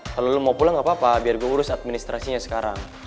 kalo lu mau pulang gapapa biar gue urus administrasinya sekarang